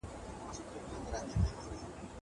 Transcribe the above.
زه هره ورځ پوښتنه کوم!